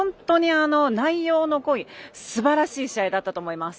内容の濃い、すばらしい試合だったと思います。